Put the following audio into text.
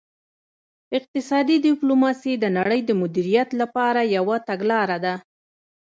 اقتصادي ډیپلوماسي د نړۍ د مدیریت لپاره یوه تګلاره ده